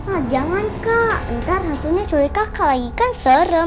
ah jangan kak ntar hantunya curiga kali kan serem